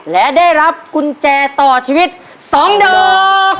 และได้รับกุญแจต่อชีวิต๒ดอก